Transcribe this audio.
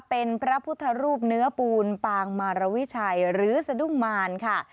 เป็นพระพุทธรูปเนื้อปูนปางมารวิชัยหรือสะดุ้งมารค่ะ